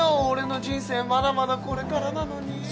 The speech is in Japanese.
俺の人生まだまだこれからなのに。